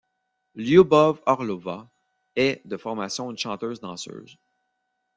Lioubov Orlova est de formation une chanteuse-danseuse.